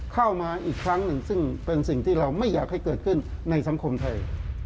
เข้ามาอีกครั้งหนึ่งซึ่งเป็นสิ่งที่เราไม่อยากให้เกิดขึ้นในสังคมไทย